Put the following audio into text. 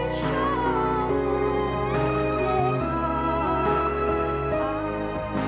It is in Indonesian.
tuhan aku berdoa kepada mu